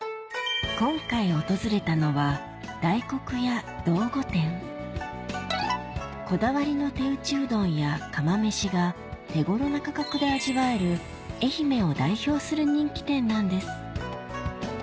今回訪れたのはこだわりの手打ちうどんや釜飯が手頃な価格で味わえる愛媛を代表する人気店なんです